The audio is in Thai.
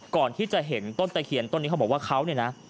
ก่อนที่จะเห็นต้นตะเคียนต้นนี้เขาบอกว่าเขาเนี่ยนะ